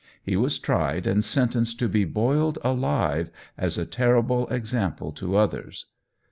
He was tried, and sentenced to be boiled alive as a terrible example to others.